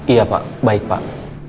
iya pak baik pak